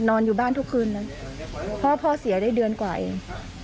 นอนอยู่บ้านทุกคืนนะพ่อเสียได้เดือนกว่าเอง